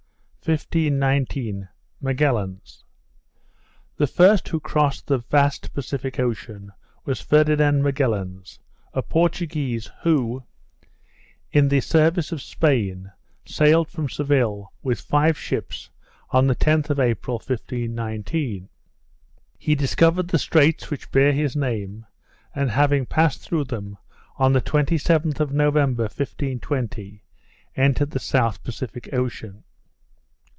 1519 Magalhaens. The first who crossed the vast Pacific Ocean, was Ferdinand Magalhaens, a Portuguese, who, in the service of Spain, sailed from Seville, with five ships, on the 10th of April, 1519. He discovered the straits which bear his name; and having passed through them, on the 27th of November, 1520, entered the South Pacific Ocean.